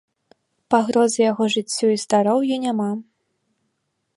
Пагрозы яго жыццю і здароўю няма.